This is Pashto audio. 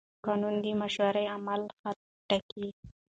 قانون د مشروع عمل حد ټاکي.